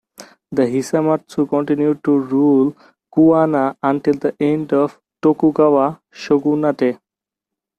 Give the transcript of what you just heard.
The Hisamatsu continued to rule Kuwana until the end of the Tokugawa shogunate.